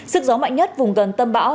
sức gió mạnh nhất vùng gần tâm bão